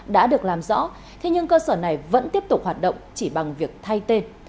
đã được làm rõ thế nhưng cơ sở này vẫn tiếp tục hoạt động chỉ bằng việc thay tên